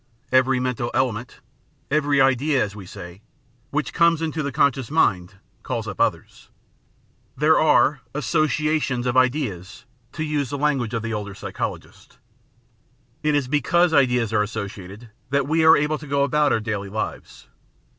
Every mental element, every idea as we say, which comes into the conscious mind, calls up others. There are assoda Uons of ideas, to use the language of the older psychologists. It is because ideas are associated that we are able to go about our daily lives.